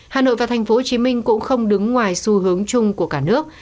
hà nội và tp hcm cũng không đứng ngoài xu hướng chung của cả nước